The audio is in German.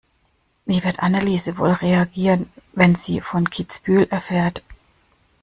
Wie wird Anneliese wohl reagieren, wenn sie von Kitzbühel erfährt?